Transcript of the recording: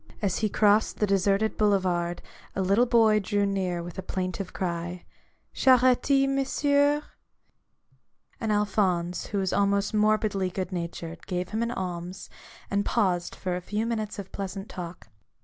As he crossed the deserted Boulevard, a little boy drew near with a plaintive cry: " Ckarite, Monsieur I " and Alphonse, who was almost morbidly good natured, gave him an alms, 114 A BOOK OF BARGAINS. and paused for a few minutes of pleasant talk.